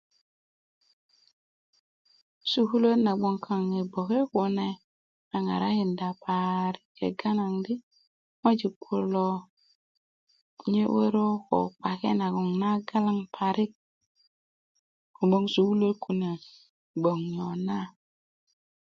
sukuluwat na gboŋ kaŋ i gboke kune a ŋarakinda paarik kega naŋ di ŋojik kulo nye wörö ko kpake naŋ na galaŋ parik ko gboŋ sukuluwöt kune gboŋ nyona